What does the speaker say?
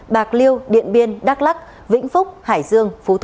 bạc liêu điện biên đắk lắc vĩnh phúc hải dương phú thọ